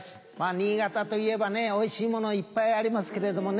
新潟といえばねおいしいものいっぱいありますけれどもね